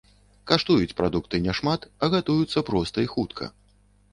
Каштуюць прадукты няшмат, а гатуюцца проста і хутка.